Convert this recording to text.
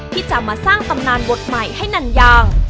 ที่จะมาสร้างตำนานบทใหม่ให้นันยาง